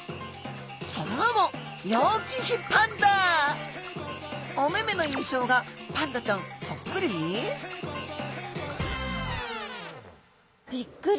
その名もお目目の印象がパンダちゃんそっくり？ビックリ。